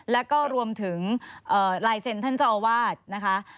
แล้วก็รวมถึงลายเซ็นต์ท่านเจ้าอาวาสนะคะ